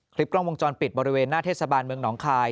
กล้องวงจรปิดบริเวณหน้าเทศบาลเมืองหนองคาย